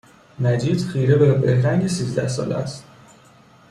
مجید خیره به بهرنگ سیزده ساله است